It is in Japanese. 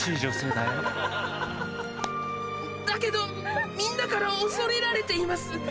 だけどみんなから恐れられています。